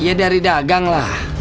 ya dari dagang lah